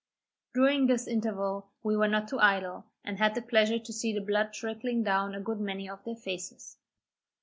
During this interval we were not idle, and had the pleasure to see the blood trickling down a good many of their faces.